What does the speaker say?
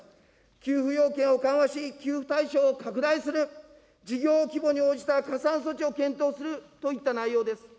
給付要件を緩和し、給付対象を拡大する、事業規模に応じた加算措置を検討するといった内容です。